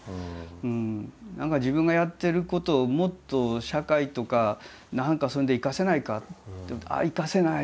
何か自分がやってることをもっと社会とか何かそういうので生かせないかと思ってああ生かせない。